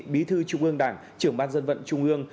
bí thư trung ương đảng trưởng ban dân vận trung ương